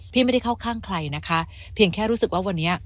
ไม่ได้เข้าข้างใครนะคะเพียงแค่รู้สึกว่าวันนี้